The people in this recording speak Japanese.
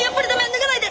脱がないで！